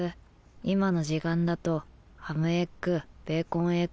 今の時間だとハムエッグベーコンエッグ。